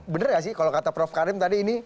bener ya sih kalau kata prof karim tadi ini